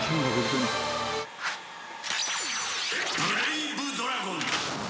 「ブレイブドラゴン！」